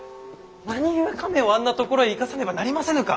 何故亀をあんな所へ行かせねばなりませぬか！